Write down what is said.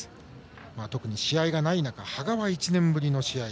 特に試合がない中羽賀は１年ぶりの試合